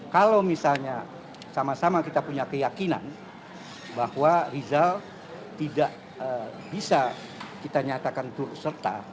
kalau misalnya sama sama kita punya keyakinan bahwa rizal tidak bisa kita nyatakan turut serta